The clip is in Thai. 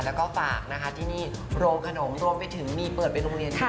แล้วก็ฝากนะคะที่นี่โรงขนมรวมไปถึงมีเปิดเป็นโรงเรียนด้วย